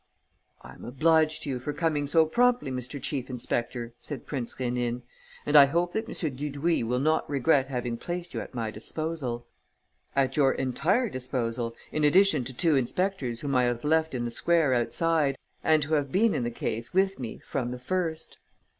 "I am obliged to you for coming so promptly, Mr. Chief inspector," said Prince Rénine, "and I hope that M. Dudouis will not regret having placed you at my disposal." "At your entire disposal, in addition to two inspectors whom I have left in the square outside and who have been in the case, with me, from the first."